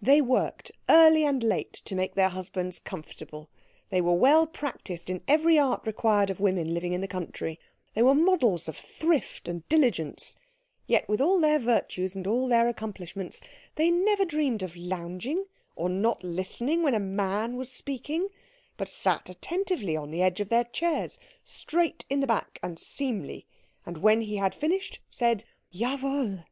They worked early and late to make their husbands comfortable; they were well practised in every art required of women living in the country; they were models of thrift and diligence; yet, with all their virtues and all their accomplishments, they never dreamed of lounging or not listening when a man was speaking, but sat attentively on the edge of their chairs, straight in the back and seemly, and when he had finished said Jawohl.